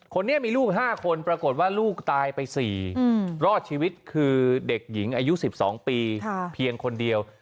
คนนี้มีลูก๕คนปรากฏว่าลูกตายไป๔รอดชีวิตคือเด็กหญิงอายุ๑๒ปีเพียงคนเดียว